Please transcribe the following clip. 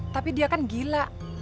tapi dia kan gila